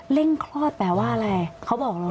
เร่งคลอดแปลว่าอะไรเขาบอกเรารู้